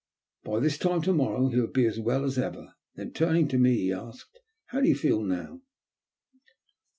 By this time to morrow he'll be as well as ever." Then, turning to me, he asked :" how do you feel now